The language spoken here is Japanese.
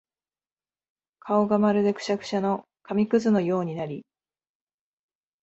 顔がまるでくしゃくしゃの紙屑のようになり、